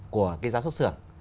một mươi của cái giá xuất xưởng